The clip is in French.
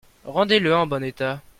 Rendez-le en bon état.